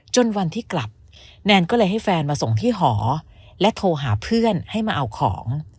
จนวันที่กลับแนนก็เลยให้แฟนมาส่งที่หอและโทรหาเพื่อนให้มาเอาของ